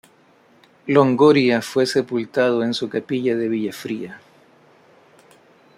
Longoria fue sepultado en su capilla de Villafría.